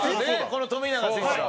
この富永選手は。